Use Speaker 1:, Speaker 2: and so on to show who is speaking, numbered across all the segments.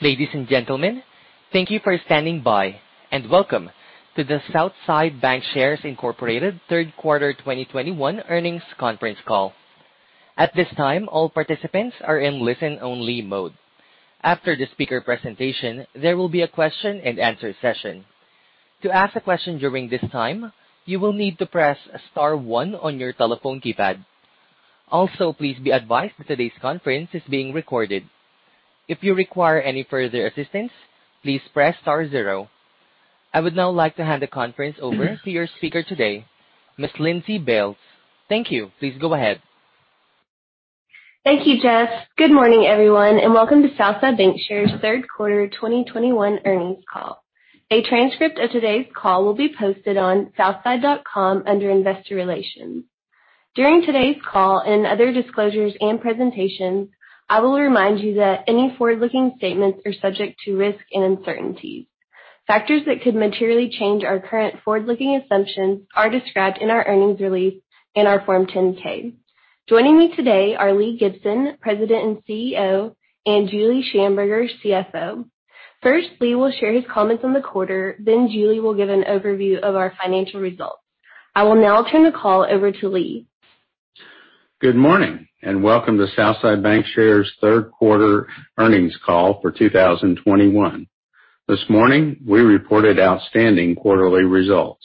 Speaker 1: Ladies and gentlemen, thank you for standing by, and welcome to the Southside Bancshares, Inc. Third Quarter 2021 Earnings conference call. At this time, all participants are in listen-only mode. After the speaker presentation, there will be a question and answer session. To ask a question during this time, you will need to press star one on your telephone keypad. Also, please be advised that today's conference is being recorded. If you require any further assistance, please press star zero. I would now like to hand the conference over to your speaker today, Miss Lindsey Bailes. Thank you. Please go ahead.
Speaker 2: Thank you, Jess. Good morning, everyone, and welcome to Southside Bancshares third quarter 2021 earnings call. A transcript of today's call will be posted on southside.com under Investor Relations. During today's call and other disclosures and presentations, I will remind you that any forward-looking statements are subject to risk and uncertainties. Factors that could materially change our current forward-looking assumptions are described in our earnings release in our Form 10-K. Joining me today are Lee Gibson, President and CEO, and Julie Shamburger, CFO. First, Lee will share his comments on the quarter, then Julie will give an overview of our financial results. I will now turn the call over to Lee.
Speaker 3: Good morning, and welcome to Southside Bancshares Third Quarter Earnings Call for 2021. This morning, we reported outstanding quarterly results.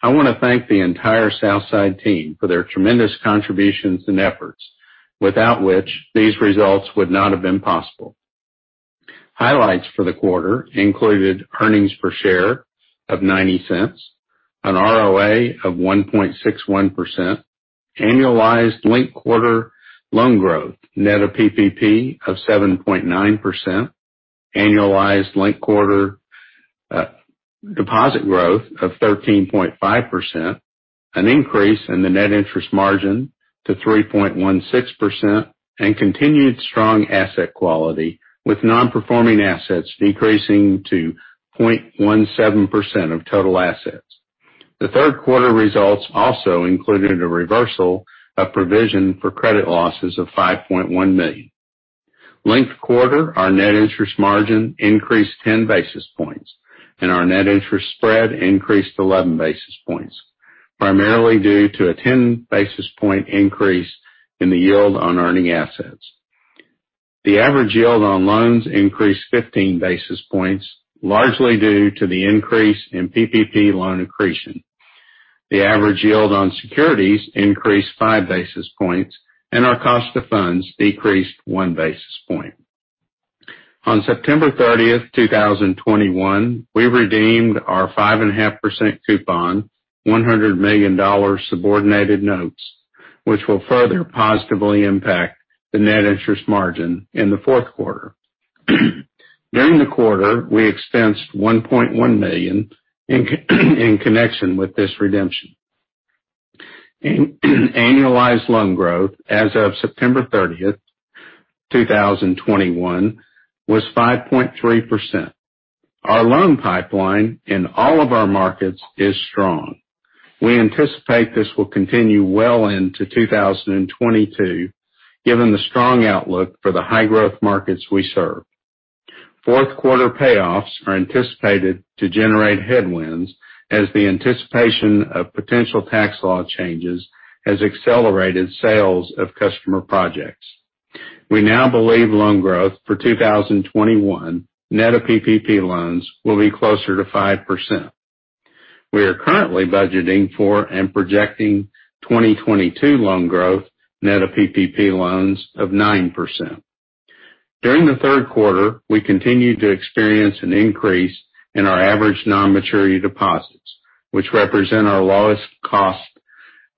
Speaker 3: I wanna thank the entire Southside team for their tremendous contributions and efforts, without which these results would not have been possible. Highlights for the quarter included earnings per share of $0.90, an ROA of 1.61%, annualized linked quarter loan growth, net of PPP of 7.9%, annualized linked quarter deposit growth of 13.5%, an increase in the net interest margin to 3.16%, and continued strong asset quality, with non-performing assets decreasing to 0.17% of total assets. The third quarter results also included a reversal of provision for credit losses of $5.1 million. Linked quarter, our net interest margin increased 10 basis points, and our net interest spread increased 11 basis points, primarily due to a 10 basis point increase in the yield on earning assets. The average yield on loans increased 15 basis points, largely due to the increase in PPP loan accretion. The average yield on securities increased 5 basis points, and our cost of funds decreased 1 basis point. On September 30, 2021, we redeemed our 5.5% coupon, $100 million subordinated notes, which will further positively impact the net interest margin in the fourth quarter. During the quarter, we expensed $1.1 million in connection with this redemption. Annualized loan growth as of September 30, 2021 was 5.3%. Our loan pipeline in all of our markets is strong. We anticipate this will continue well into 2022, given the strong outlook for the high growth markets we serve. Fourth quarter payoffs are anticipated to generate headwinds as the anticipation of potential tax law changes has accelerated sales of customer projects. We now believe loan growth for 2021 net of PPP loans will be closer to 5%. We are currently budgeting for and projecting 2022 loan growth net of PPP loans of 9%. During the third quarter, we continued to experience an increase in our average non-maturity deposits, which represent our lowest cost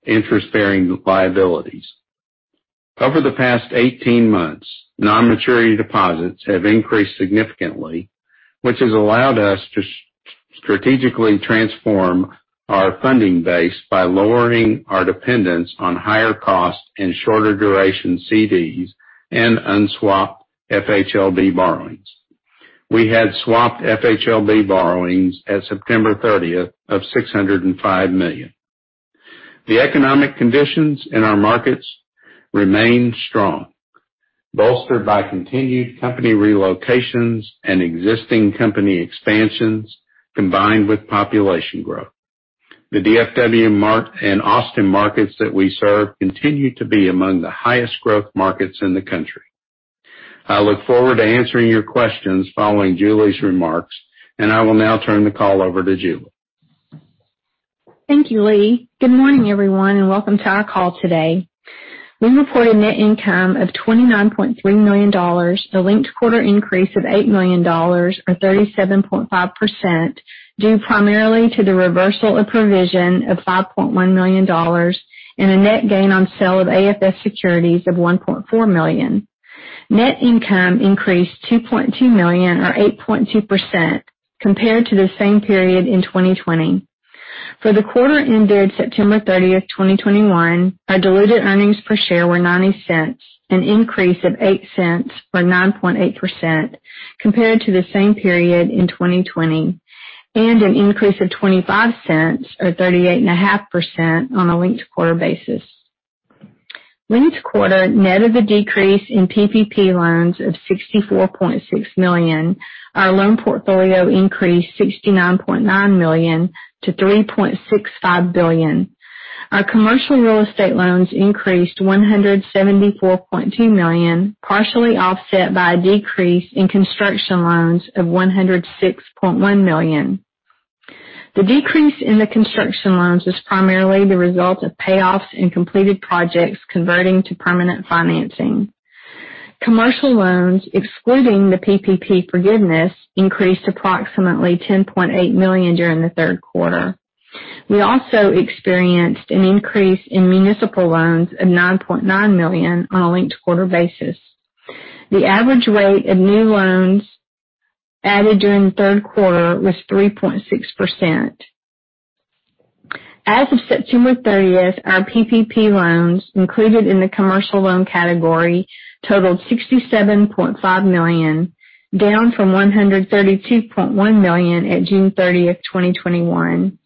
Speaker 3: interest-bearing liabilities. Over the past 18 months, non-maturity deposits have increased significantly, which has allowed us to strategically transform our funding base by lowering our dependence on higher cost and shorter duration CDs and unswapped FHLB borrowings. We had swapped FHLB borrowings at September 30, 2021 of $605 million. The economic conditions in our markets remain strong, bolstered by continued company relocations and existing company expansions, combined with population growth. The DFW market and Austin markets that we serve continue to be among the highest growth markets in the country. I look forward to answering your questions following Julie's remarks, and I will now turn the call over to Julie.
Speaker 4: Thank you, Lee. Good morning, everyone, and welcome to our call today. We reported net income of $29.3 million, a linked quarter increase of $8 million or 37.5%, due primarily to the reversal of provision of $5.1 million and a net gain on sale of AFS securities of $1.4 million. Net income increased $2.2 million or 8.2% compared to the same period in 2020. For the quarter ended September 30, 2021, our diluted earnings per share were $0.90, an increase of $0.08 or 9.8% compared to the same period in 2020, and an increase of $0.25 or 38.5% on a linked-quarter basis. Linked-quarter net of the decrease in PPP loans of $64.6 million, our loan portfolio increased $69.9 million to $3.65 billion. Our commercial real estate loans increased $174.2 million, partially offset by a decrease in construction loans of $106.1 million. The decrease in the construction loans was primarily the result of payoffs and completed projects converting to permanent financing. Commercial loans, excluding the PPP forgiveness, increased approximately $10.8 million during the third quarter. We also experienced an increase in municipal loans of $9.9 million on a linked quarter basis. The average rate of new loans added during the third quarter was 3.6%. As of September 30, 2021, our PPP loans included in the commercial loan category totaled $67.5 million, down from $132.1 million at June 30, 2021.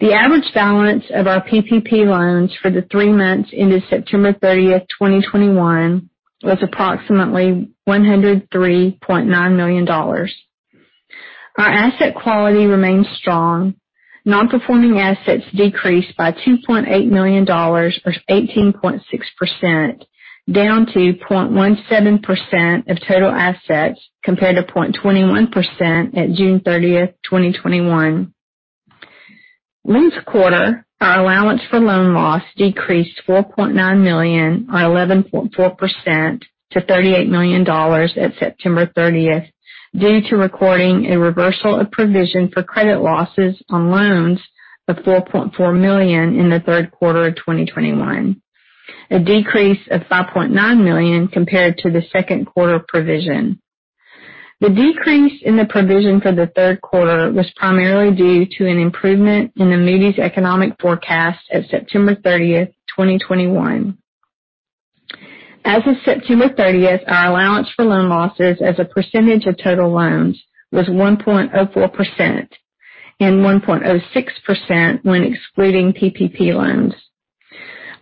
Speaker 4: The average balance of our PPP loans for the three months ended September 30, 2021 was approximately $103.9 million. Our asset quality remains strong. Non-performing assets decreased by $2.8 million or 18.6%, down to 0.17% of total assets compared to 0.21% at June 30, 2021. Linked quarter, our allowance for loan losses decreased $4.9 million or 11.4% to $38 million at September 30, 2021, due to recording a reversal of provision for credit losses on loans of $4.4 million in the third quarter of 2021. A decrease of $5.9 million compared to the second quarter provision. The decrease in the provision for the third quarter was primarily due to an improvement in the Moody's economic forecast at September 30, 2021. As of September 30, 2021, our allowance for loan losses as a percentage of total loans was 1.04% and 1.06% when excluding PPP loans.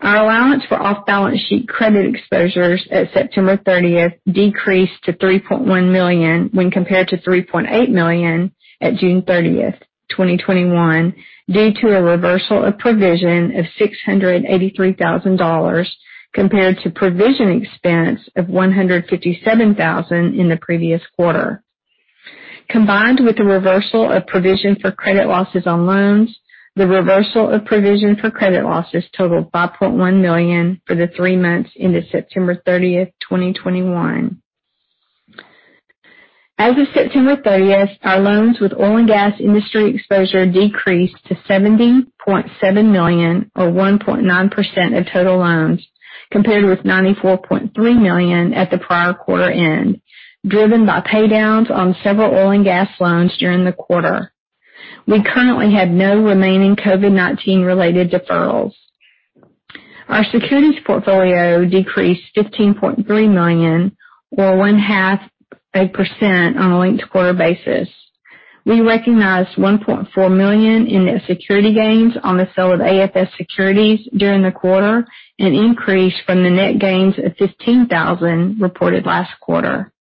Speaker 4: Our allowance for off-balance sheet credit exposures at September 30th decreased to $3.1 million when compared to $3.8 million at June 30th, 2021, due to a reversal of provision of $683,000 compared to provision expense of $157,000 in the previous quarter. Combined with the reversal of provision for credit losses on loans, the reversal of provision for credit losses totaled $5.1 million for the three months ended September 30th, 2021. As of September 30th, our loans with oil and gas industry exposure decreased to $70.7 million or 1.9% of total loans, compared with $94.3 million at the prior quarter end, driven by pay downs on several oil and gas loans during the quarter. We currently have no remaining COVID-19 related deferrals. Our securities portfolio decreased $15.3 million or 0.5% on a linked-quarter basis. We recognized $1.4 million in net security gains on the sale of AFS securities during the quarter, an increase from the net gains of $15,000 reported last quarter.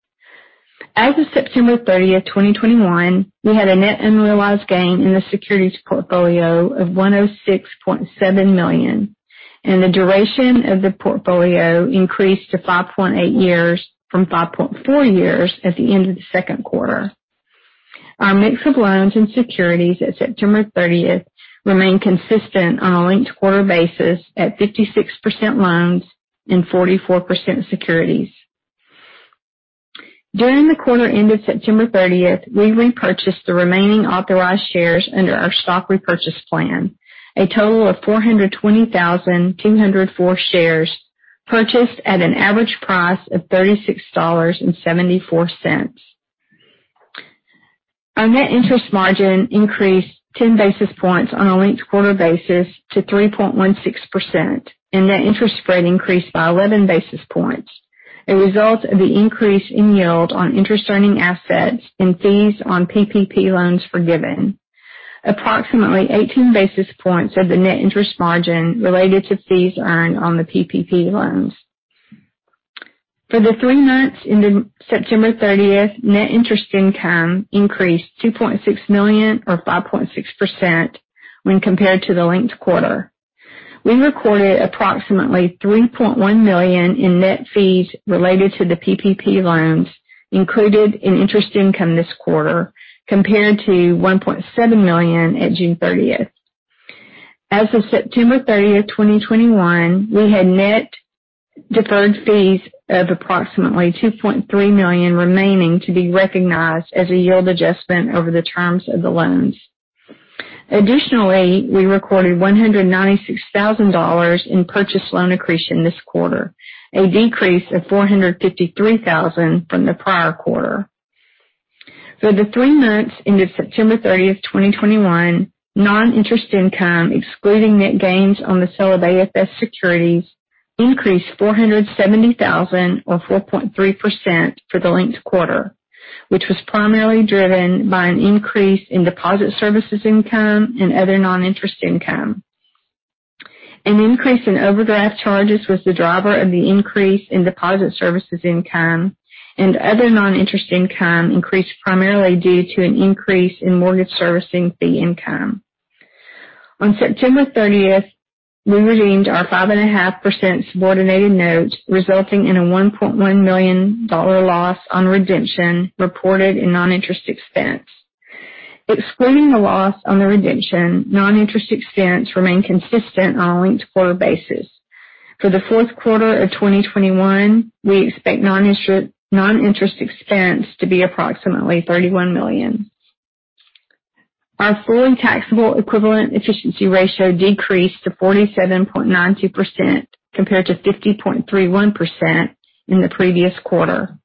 Speaker 4: As of September 30, 2021, we had a net unrealized gain in the securities portfolio of $106.7 million, and the duration of the portfolio increased to 5.8 years from 5.4 years at the end of the second quarter. Our mix of loans and securities at September 30, 2021 remain consistent on a linked-quarter basis at 56% loans and 44% securities. During the quarter ended September 30, 2021, we repurchased the remaining authorized shares under our stock repurchase plan, a total of 420,204 shares purchased at an average price of $36.74. Our net interest margin increased 10 basis points on a linked quarter basis to 3.16%, and net interest spread increased by 11 basis points, a result of the increase in yield on interest earning assets and fees on PPP loans forgiven. Approximately 18 basis points of the net interest margin related to fees earned on the PPP loans. For the three months ended September 30, net interest income increased $2.6 million or 5.6% when compared to the linked quarter. We recorded approximately $3.1 million in net fees related to the PPP loans included in interest income this quarter, compared to $1.7 million at June 30. As of September 30, 2021, we had net deferred fees of approximately $2.3 million remaining to be recognized as a yield adjustment over the terms of the loans. Additionally, we recorded $196,000 in purchase loan accretion this quarter, a decrease of $453,000 from the prior quarter. For the three months ended September 30, 2021, non-interest income, excluding net gains on the sale of AFS securities, increased $470,000 or 4.3% for the linked quarter, which was primarily driven by an increase in deposit services income and other non-interest income. An increase in overdraft charges was the driver of the increase in deposit services income, and other non-interest income increased primarily due to an increase in mortgage servicing fee income. On September 30, we redeemed our 5.5% subordinated notes, resulting in a $1.1 million loss on redemption reported in non-interest expense. Excluding the loss on the redemption, non-interest expense remained consistent on a linked quarter basis. For the fourth quarter of 2021, we expect non-interest expense to be approximately $31 million. Our fully taxable equivalent efficiency ratio decreased to 47.92% compared to 50.31% in the previous quarter.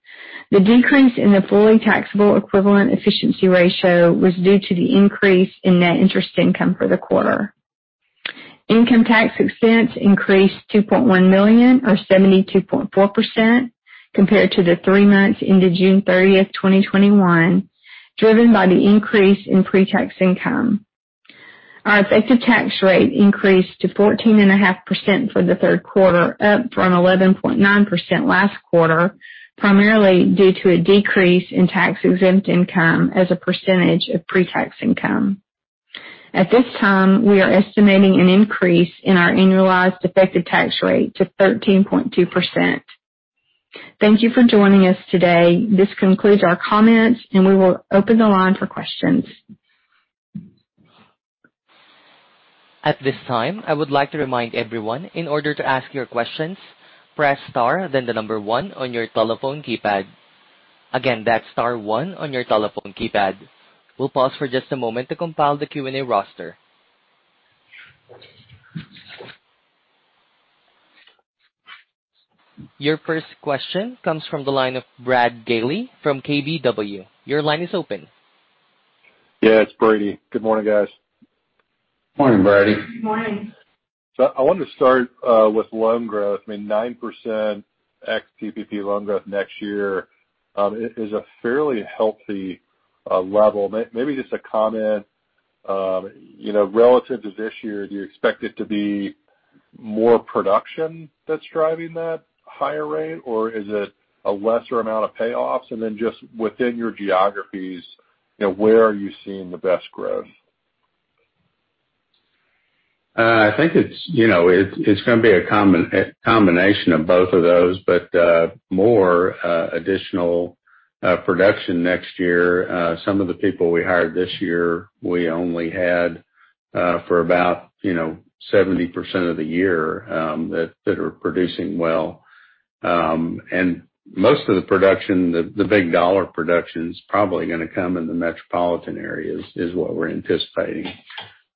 Speaker 4: The decrease in the fully taxable equivalent efficiency ratio was due to the increase in net interest income for the quarter. Income tax expense increased $2.1 million or 72.4% compared to the three months ended June 30, 2021, driven by the increase in pre-tax income. Our effective tax rate increased to 14.5% for the third quarter, up from 11.9% last quarter, primarily due to a decrease in tax-exempt income as a percentage of pre-tax income. At this time, we are estimating an increase in our annualized effective tax rate to 13.2%. Thank you for joining us today. This concludes our comments, and we will open the line for questions.
Speaker 1: At this time, I would like to remind everyone, in order to ask your questions, press Star, then the number one on your telephone keypad. Again, that's star one on your telephone keypad. We'll pause for just a moment to compile the Q&A roster. Your first question comes from the line of Brady Gailey from KBW. Your line is open.
Speaker 5: Yeah, it's Brady. Good morning, guys.
Speaker 3: Morning, Brady.
Speaker 4: Good morning.
Speaker 5: I wanted to start with loan growth. I mean, 9% ex-PPP loan growth next year is a fairly healthy level. Maybe just a comment, you know, relative to this year, do you expect it to be more production that's driving that higher rate, or is it a lesser amount of payoffs? Just within your geographies, you know, where are you seeing the best growth?
Speaker 3: I think it's, you know, it's gonna be a combination of both of those, but more additional production next year. Some of the people we hired this year, we only had for about, you know, 70% of the year that are producing well. Most of the production, the big dollar production is probably gonna come in the metropolitan areas, is what we're anticipating.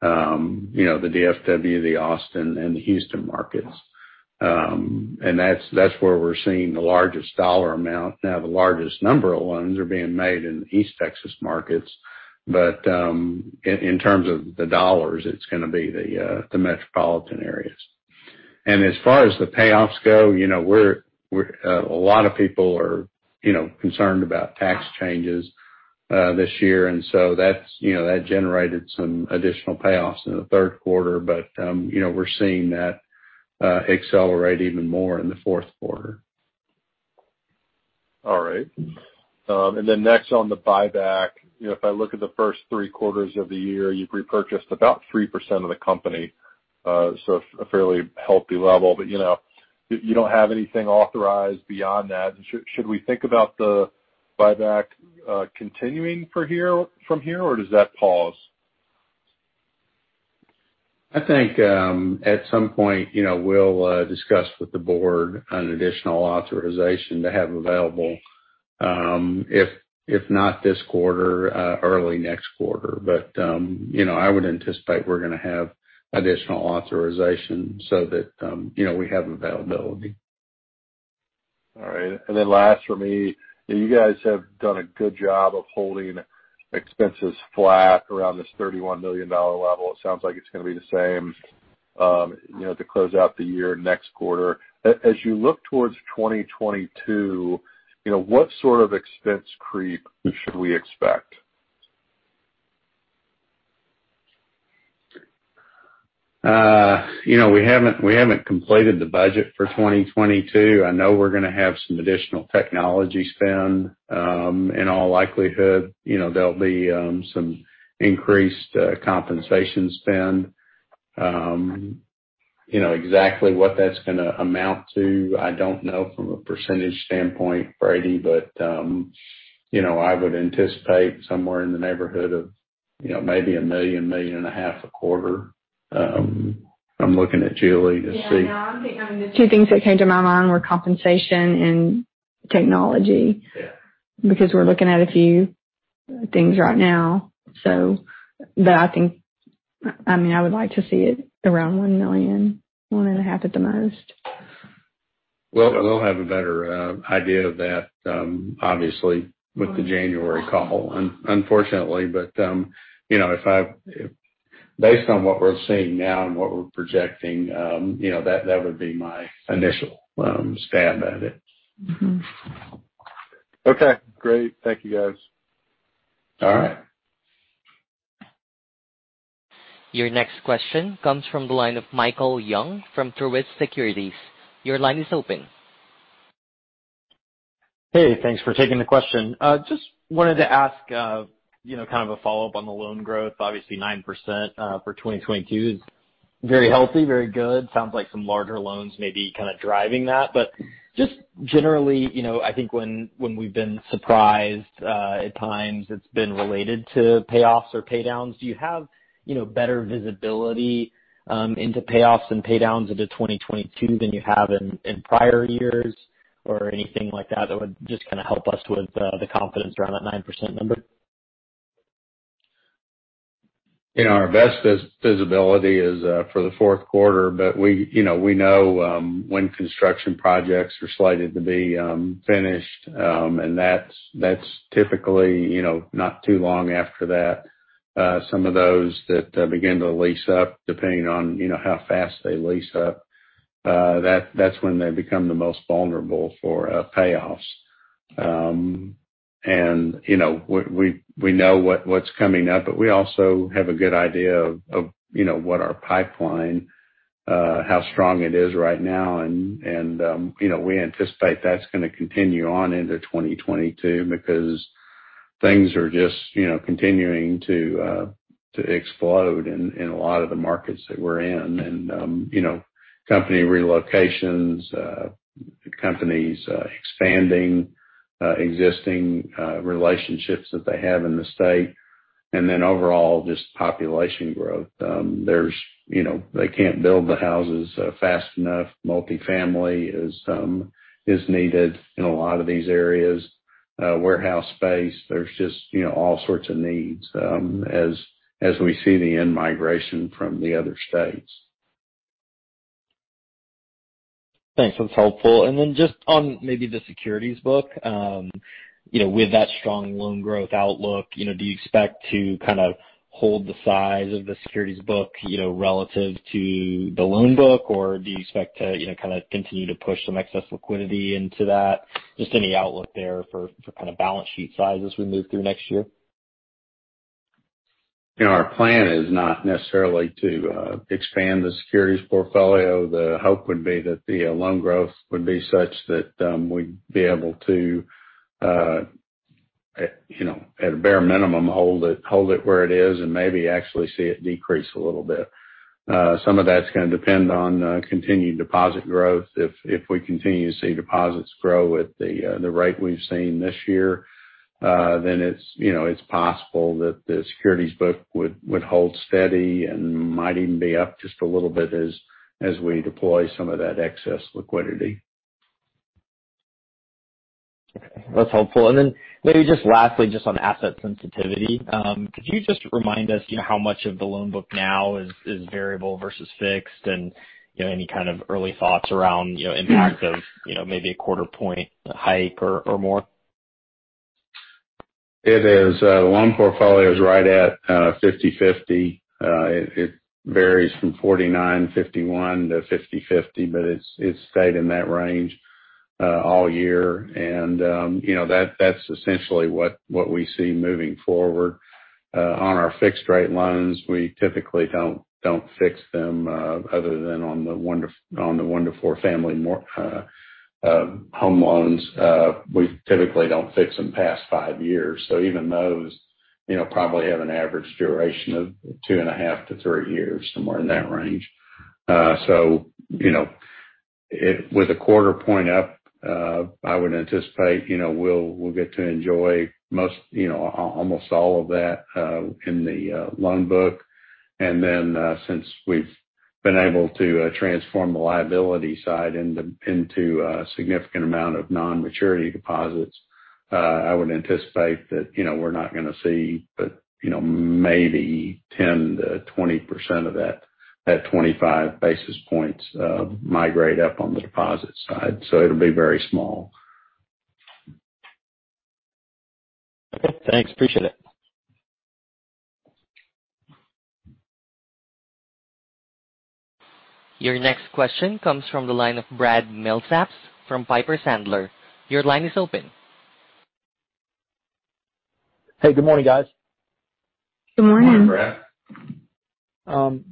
Speaker 3: You know, the DFW, the Austin, and the Houston markets. That's where we're seeing the largest dollar amount. Now, the largest number of loans are being made in East Texas markets, but in terms of the dollars, it's gonna be the metropolitan areas. As far as the payoffs go, you know, a lot of people are, you know, concerned about tax changes this year, and so that's, you know, that generated some additional payoffs in the third quarter. You know, we're seeing that accelerate even more in the fourth quarter.
Speaker 5: All right. Next on the buyback, you know, if I look at the first three quarters of the year, you've repurchased about 3% of the company. So a fairly healthy level. You know, you don't have anything authorized beyond that. Should we think about the buyback continuing from here, or does that pause?
Speaker 3: I think at some point, you know, we'll discuss with the board an additional authorization to have available, if not this quarter, early next quarter. You know, I would anticipate we're gonna have additional authorization so that, you know, we have availability.
Speaker 5: All right. Last for me, you guys have done a good job of holding expenses flat around this $31 million level. It sounds like it's gonna be the same, you know, to close out the year next quarter. As you look towards 2022, you know, what sort of expense creep should we expect?
Speaker 3: You know, we haven't completed the budget for 2022. I know we're gonna have some additional technology spend. In all likelihood, you know, there'll be some increased compensation spend. You know, exactly what that's gonna amount to, I don't know from a percentage standpoint, Brady, but you know, I would anticipate somewhere in the neighborhood of, you know, maybe $1 million-$1.5 million a quarter. I'm looking at Julie to see-
Speaker 4: Yeah. No, I'm thinking two things that came to my mind were compensation and technology.
Speaker 3: Yeah.
Speaker 4: Because we're looking at a few things right now. I think I mean I would like to see it around $1 million-$1.5 million at the most.
Speaker 3: Well, we'll have a better idea of that, obviously with the January call, unfortunately. You know, based on what we're seeing now and what we're projecting, you know, that would be my initial stance on it.
Speaker 4: Mm-hmm.
Speaker 5: Okay, great. Thank you, guys.
Speaker 3: All right.
Speaker 1: Your next question comes from the line of Michael Young from Truist Securities. Your line is open.
Speaker 6: Hey, thanks for taking the question. Just wanted to ask, you know, kind of a follow-up on the loan growth. Obviously, 9% for 2022 is very healthy, very good. Sounds like some larger loans may be kinda driving that. But just generally, you know, I think when we've been surprised at times, it's been related to payoffs or pay downs. Do you have, you know, better visibility into payoffs and pay downs into 2022 than you have in prior years or anything like that would just kinda help us with the confidence around that 9% number?
Speaker 3: You know, our best visibility is for the fourth quarter, but we, you know, we know when construction projects are slated to be finished, and that's typically, you know, not too long after that. Some of those that begin to lease up, depending on, you know, how fast they lease up, that's when they become the most vulnerable for payoffs. You know, we know what's coming up, but we also have a good idea of, you know, what our pipeline, how strong it is right now. You know, we anticipate that's gonna continue on into 2022 because things are just, you know, continuing to explode in a lot of the markets that we're in. You know, company relocations, companies expanding existing relationships that they have in the state, and then overall, just population growth. You know, they can't build the houses fast enough. Multifamily is needed in a lot of these areas. Warehouse space, there's just you know, all sorts of needs as we see the in-migration from the other states.
Speaker 6: Thanks. That's helpful. Just on maybe the securities book, you know, with that strong loan growth outlook, you know, do you expect to kind of hold the size of the securities book, you know, relative to the loan book? Or do you expect to, you know, kind of continue to push some excess liquidity into that? Just any outlook there for kind of balance sheet size as we move through next year.
Speaker 3: Our plan is not necessarily to expand the securities portfolio. The hope would be that the loan growth would be such that we'd be able to, you know, at a bare minimum, hold it where it is and maybe actually see it decrease a little bit. Some of that's gonna depend on continued deposit growth. If we continue to see deposits grow at the rate we've seen this year, then it's, you know, it's possible that the securities book would hold steady and might even be up just a little bit as we deploy some of that excess liquidity.
Speaker 6: Okay, that's helpful. Maybe just lastly, just on asset sensitivity, could you just remind us, you know, how much of the loan book now is variable versus fixed? You know, any kind of early thoughts around, you know, impact of, you know, maybe a quarter point hike or more?
Speaker 3: It is the loan portfolio is right at 50/50. It varies from 49/51 to 50/50, but it's stayed in that range all year. You know, that's essentially what we see moving forward. On our fixed rate loans, we typically don't fix them other than on the 1-4 family home loans. We typically don't fix them past 5 years. Even those, you know, probably have an average duration of 2.5-3 years, somewhere in that range. You know, with a quarter point up, I would anticipate, you know, we'll get to enjoy most, you know, almost all of that in the loan book. Since we've been able to transform the liability side into a significant amount of non-maturity deposits, I would anticipate that, you know, we're not gonna see but, you know, maybe 10%-20% of that 25 basis points migrate up on the deposit side. So it'll be very small.
Speaker 6: Okay, thanks. I appreciate it.
Speaker 1: Your next question comes from the line of Brad Milsaps from Piper Sandler. Your line is open.
Speaker 7: Hey, good morning, guys.
Speaker 4: Good morning.
Speaker 3: Good morning, Brad.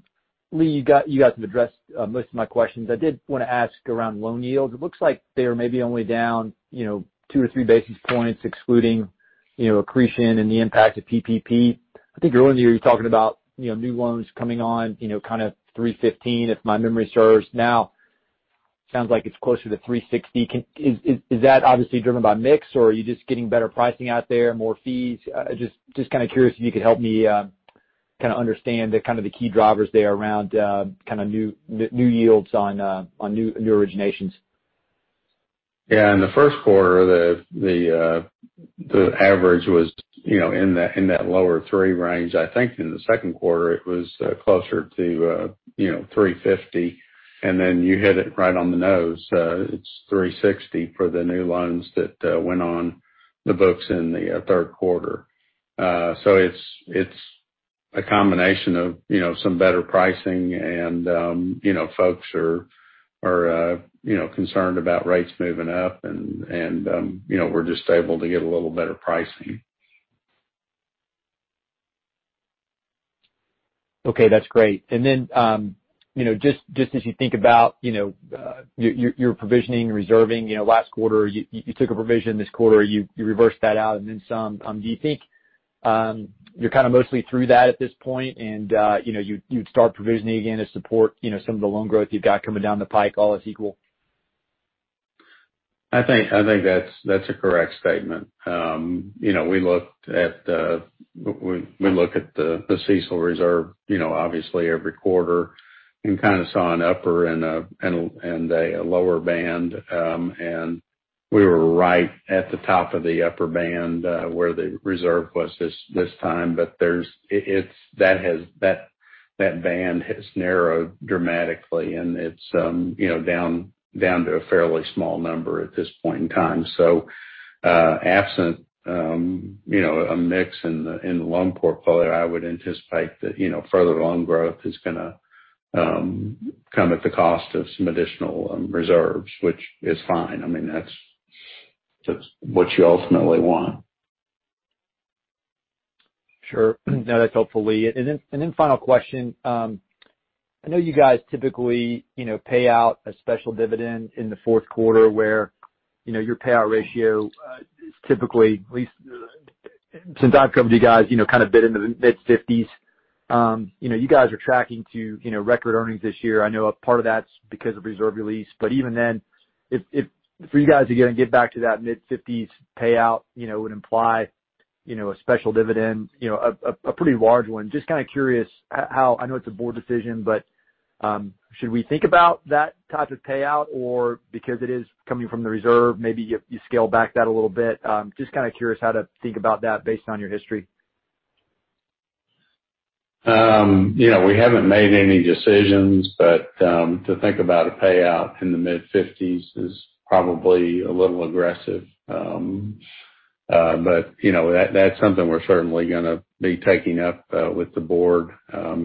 Speaker 7: Lee, you guys have addressed most of my questions. I did wanna ask around loan yields. It looks like they are maybe only down, you know, 2-3 basis points, excluding, you know, accretion and the impact of PPP. I think earlier you were talking about, you know, new loans coming on, you know, kind of 3.15, if my memory serves. Now, sounds like it's closer to 3.60. Is that obviously driven by mix or are you just getting better pricing out there, more fees? Just kinda curious if you could help me kinda understand the kind of the key drivers there around kinda new yields on new originations.
Speaker 3: In the first quarter, the average was, you know, in that lower 3 range. I think in the second quarter it was closer to, you know, 3.50. Then you hit it right on the nose. It's 3.60 for the new loans that went on the books in the third quarter. It's a combination of, you know, some better pricing and, you know, folks are concerned about rates moving up and, you know, we're just able to get a little better pricing.
Speaker 7: Okay, that's great. You know, just as you think about, you know, your provisioning, reserving, you know, last quarter you took a provision. This quarter, you reversed that out and then some. Do you think you're kind of mostly through that at this point and, you know, you'd start provisioning again to support, you know, some of the loan growth you've got coming down the pike all else equal?
Speaker 3: I think that's a correct statement. You know, we look at the CECL reserve, you know, obviously every quarter and kind of saw an upper and a lower band. We were right at the top of the upper band, where the reserve was this time. That band has narrowed dramatically and it's down to a fairly small number at this point in time. Absent a mix in the loan portfolio, I would anticipate that, you know, further loan growth is gonna come at the cost of some additional reserves, which is fine. I mean, that's what you ultimately want.
Speaker 7: Sure. No, that's helpful, Lee. Final question. I know you guys typically, you know, pay out a special dividend in the fourth quarter where, you know, your payout ratio is typically, at least since I've come to you guys, you know, kind of been in the mid-fifties. You know, you guys are tracking to, you know, record earnings this year. I know a part of that's because of reserve release. Even then, if for you guys to go and get back to that mid-fifties payout, you know, would imply, you know, a special dividend, you know, a pretty large one. Just kind of curious how I know it's a board decision, but should we think about that type of payout or because it is coming from the reserve, maybe you scale back that a little bit? Just kind of curious how to think about that based on your history.
Speaker 3: You know, we haven't made any decisions, but to think about a payout in the mid-fifties is probably a little aggressive. But you know, that's something we're certainly gonna be taking up with the board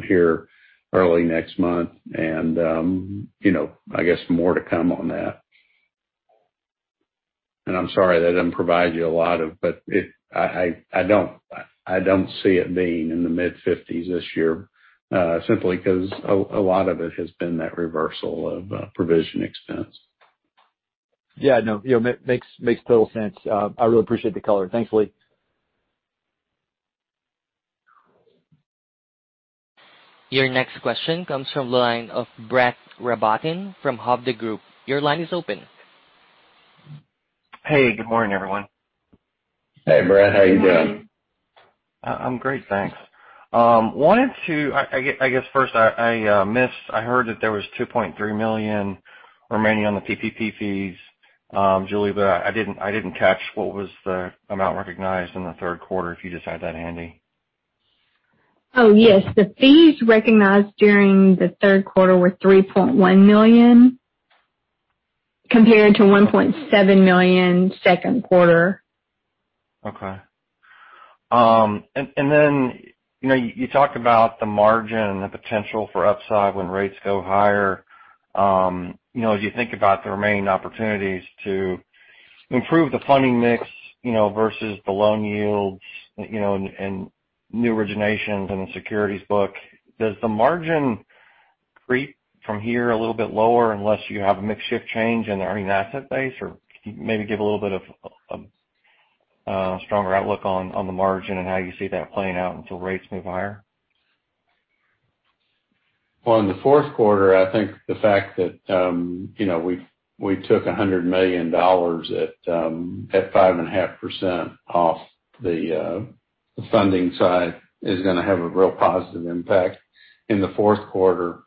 Speaker 3: here early next month. You know, I guess more to come on that. I'm sorry that doesn't provide you a lot of, but I don't see it being in the mid-fifties this year, simply because a lot of it has been that reversal of provision expense.
Speaker 7: Yeah, no, you know, makes total sense. I really appreciate the color. Thanks, Lee.
Speaker 1: Your next question comes from the line of Brett Rabatin from Hovde Group. Your line is open.
Speaker 8: Hey, good morning, everyone.
Speaker 3: Hey, Brett. How are you doing?
Speaker 8: I'm great, thanks. I wanted to—I guess first I missed. I heard that there was $2.3 million remaining on the PPP fees, Julie, but I didn't catch what was the amount recognized in the third quarter, if you just had that handy.
Speaker 4: Oh, yes. The fees recognized during the third quarter were $3.1 million, compared to $1.7 million second quarter.
Speaker 8: Okay. You know, you talked about the margin and the potential for upside when rates go higher. You know, as you think about the remaining opportunities to improve the funding mix, you know, versus the loan yields, you know, and new originations in the securities book, does the margin creep from here a little bit lower unless you have a mix shift change in the earning asset base? Can you maybe give a little bit of stronger outlook on the margin and how you see that playing out until rates move higher?
Speaker 3: Well, in the fourth quarter, I think the fact that, you know, we took $100 million at 5.5% off the funding side is gonna have a real positive impact in the fourth quarter.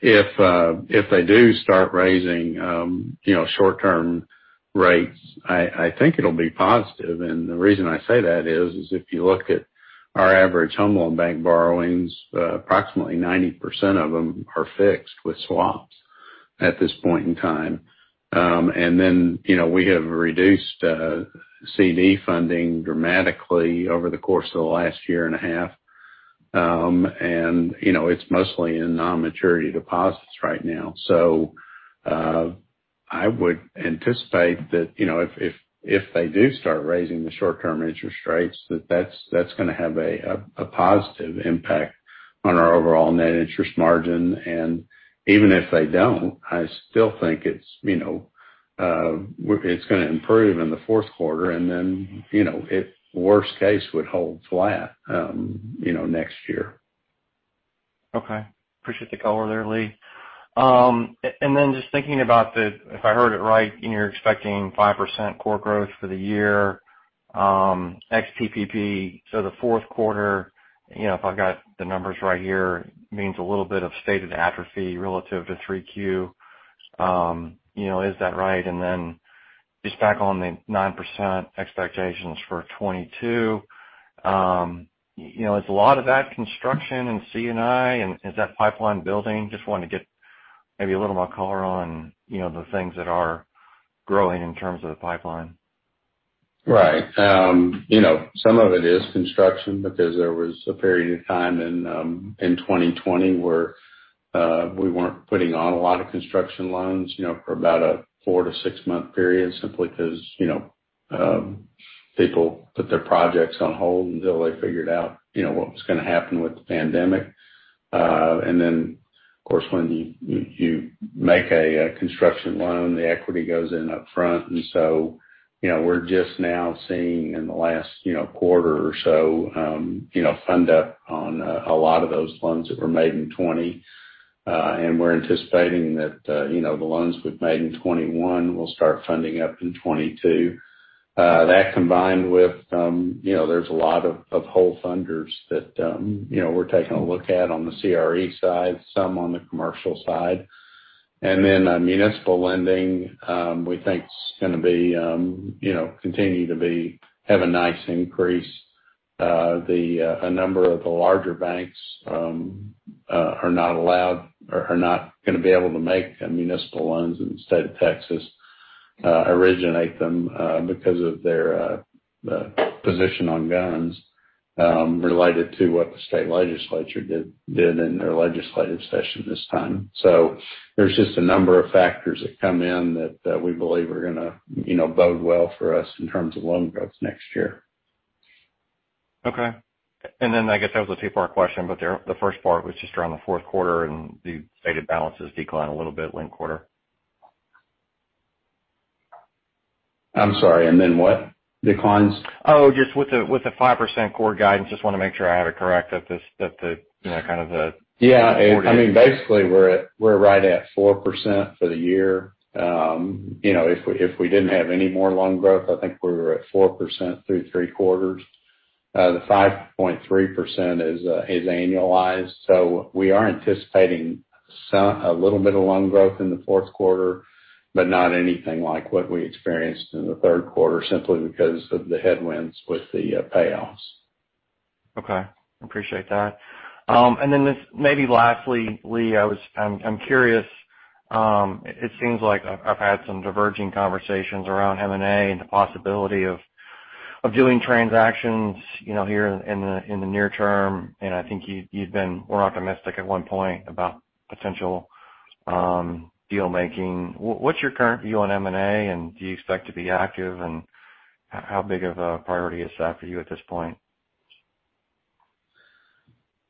Speaker 3: If they do start raising, you know, short-term rates, I think it'll be positive. The reason I say that is if you look at our average FHLB borrowings, approximately 90% of them are fixed with swaps at this point in time. Then, you know, we have reduced CD funding dramatically over the course of the last year and a half. You know, it's mostly in non-maturity deposits right now. I would anticipate that, you know, if they do start raising the short-term interest rates, that that's gonna have a positive impact on our overall net interest margin. Even if they don't, I still think it's, you know, it's gonna improve in the fourth quarter and then, you know, if worst case would hold flat, you know, next year.
Speaker 8: Okay. Appreciate the color there, Lee. Just thinking about if I heard it right, you're expecting 5% core growth for the year, ex PPP. The fourth quarter, you know, if I've got the numbers right here, means a little bit of stated atrophy relative to 3Q. You know, is that right? Just back on the 9% expectations for 2022, you know, is a lot of that construction in C&I and is that pipeline building? Just wanted to get maybe a little more color on, you know, the things that are growing in terms of the pipeline.
Speaker 3: Right. You know, some of it is construction because there was a period of time in 2020 where we weren't putting on a lot of construction loans, you know, for about a 4- to 6-month period, simply 'cause, you know, people put their projects on hold until they figured out, you know, what was gonna happen with the pandemic. Then, of course, when you make a construction loan, the equity goes in upfront. You know, we're just now seeing in the last, you know, quarter or so, you know, funding up on a lot of those loans that were made in 2020. We're anticipating that, you know, the loans we've made in 2021 will start funding up in 2022. That combined with, you know, there's a lot of wholesale funders that, you know, we're taking a look at on the CRE side, some on the commercial side. Municipal lending, we think, is gonna continue to have a nice increase. A number of the larger banks are not allowed or are not gonna be able to make municipal loans in the state of Texas, originate them, because of their position on guns related to what the state legislature did in their legislative session this time. There's just a number of factors that come in that we believe are gonna, you know, bode well for us in terms of loan growth next year.
Speaker 8: Okay. I guess that was a two-part question, but there, the first part was just around the fourth quarter and the stated balances decline a little bit linked quarter.
Speaker 3: I'm sorry, then what? Declines?
Speaker 8: Oh, just with the 5% core guidance. Just wanna make sure I have it correct that the, you know, kind of the-
Speaker 3: Yeah. I mean, basically we're right at 4% for the year. You know, if we didn't have any more loan growth, I think we were at 4% through three quarters. The 5.3% is annualized. We are anticipating some a little bit of loan growth in the fourth quarter, but not anything like what we experienced in the third quarter simply because of the headwinds with the payoffs.
Speaker 8: Okay. Appreciate that. This maybe lastly, Lee, I'm curious, it seems like I've had some diverging conversations around M&A and the possibility of doing transactions here in the near term, and I think you'd been more optimistic at one point about potential deal making. What's your current view on M&A, and do you expect to be active, and how big of a priority is that for you at this point?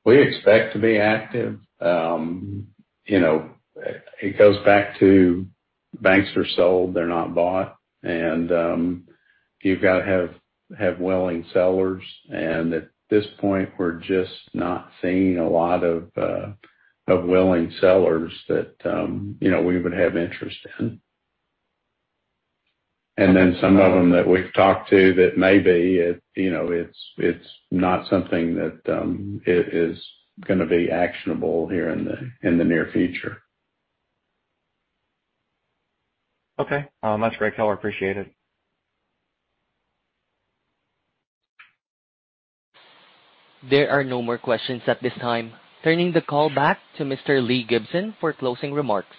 Speaker 3: We expect to be active. You know, it goes back to banks are sold, they're not bought. You've got to have willing sellers. At this point, we're just not seeing a lot of willing sellers that you know, we would have interest in. Then some of them that we've talked to that may be you know, it's not something that is gonna be actionable here in the near future.
Speaker 8: Okay. That's great, y'all. Appreciate it.
Speaker 1: There are no more questions at this time. Turning the call back to Mr. Lee Gibson for closing remarks.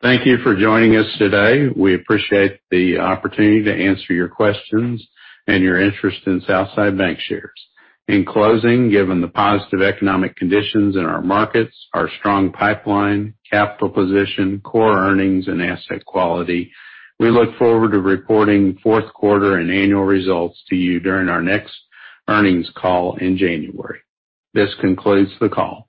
Speaker 3: Thank you for joining us today. We appreciate the opportunity to answer your questions and your interest in Southside Bancshares. In closing, given the positive economic conditions in our markets, our strong pipeline, capital position, core earnings and asset quality, we look forward to reporting fourth quarter and annual results to you during our next earnings call in January. This concludes the call.